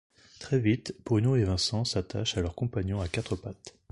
Très vite, Bruno et Vincent s'attachent à leurs compagnons à quatre pattes…